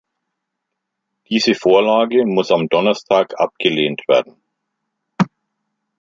Diese Vorlage muss am Donnerstag abgelehnt werden.